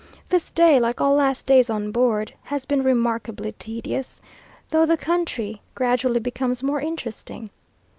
This day, like all last days on board, has been remarkably tedious, though the country gradually becomes more interesting.